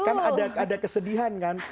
kan ada kesedihan kan